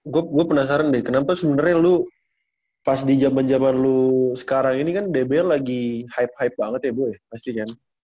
gue penasaran deh kenapa sebenernya lu pas di jaman jaman lu sekarang ini kan dbl lagi hype hype banget ya bu ya pasti kan